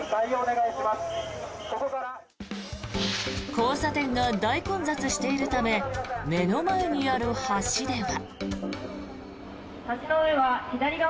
交差点が大混雑しているため目の前にある橋では。